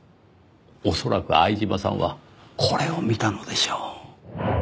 恐らく相島さんはこれを見たのでしょう。